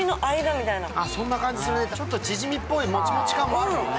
ちょっとチヂミっぽいもちもち感もあるね。